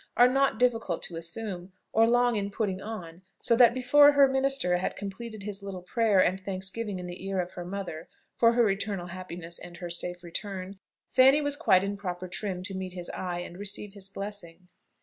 are not difficult to assume, or long in putting on; so that before "her minister" had completed his little prayer and thanksgiving in the ear of her mother, for her eternal happiness and her safe return, Fanny was quite in proper trim to meet his eye, and receive his blessing.